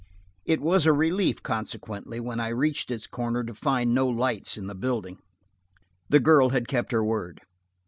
It was a relief, consequently, when I reached its corner, to find no lights in the building. The girl had kept her word.